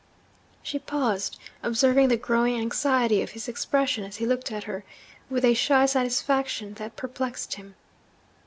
She paused, observing the growing anxiety of his expression as he looked at her, with a shy satisfaction that perplexed him.